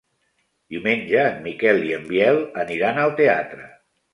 Diumenge en Miquel i en Biel aniran al teatre.